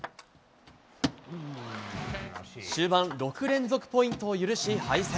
終盤６連続ポイントを許し敗戦。